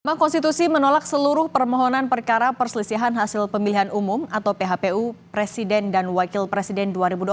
mahkamah konstitusi menolak seluruh permohonan perkara perselisihan hasil pemilihan umum atau phpu presiden dan wakil presiden dua ribu dua puluh empat